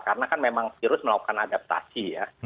karena kan memang virus melakukan adaptasi ya